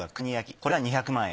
これが２００万円。